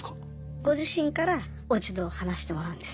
ご自身から落ち度を話してもらうんです。